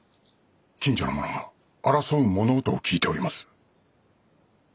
近所の者が争う物音を聞いております。